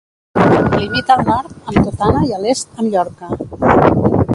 Limita al nord amb Totana i a l'est amb Llorca.